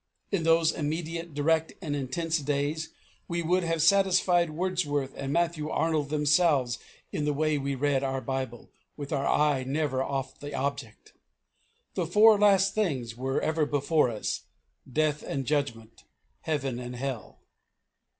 In those immediate, direct, and intense days we would have satisfied Wordsworth and Matthew Arnold themselves in the way we read our Bible with our eye never off the object. The Four Last Things were ever before us death and judgment, heaven and hell.